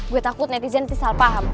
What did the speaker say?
gue takut netizen nanti salah paham